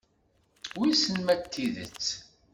Wissen ma d tidet.